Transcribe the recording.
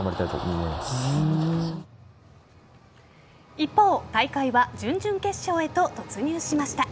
一方、大会は準々決勝へと突入しました。